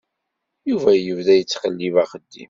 Yuba yebda yettqellib axeddim.